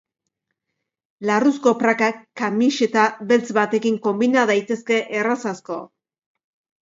Larruzko prakak kamiseta beltz batekin konbina daitezke erraz asko.